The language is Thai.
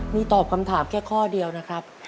มีตอบคำถามแค่ข้อเดียวนะครับ